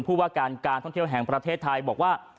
ผู้ว่าการการท่องเที่ยวแห่งประเทศไทยบอกว่า